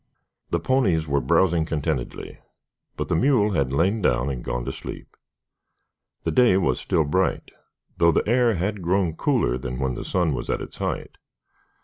The ponies were browsing contentedly, but the mule had lain down and gone to sleep. The day was still bright, though the air had grown cooler than when the sun was at its height.